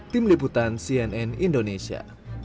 tim liputan cnn indonesia